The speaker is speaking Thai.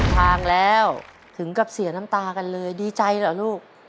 ทางแล้วถึงกับเสียน้ำตากันเลยดีใจเหรอลูก